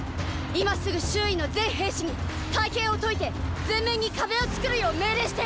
今すぐ周囲の全兵士に隊形を解いて前面に壁を作るよう命令して！